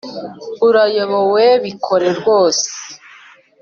urayobowe bikore rwose